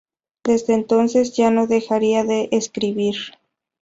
Desde entonces, ya no dejaría de escribir.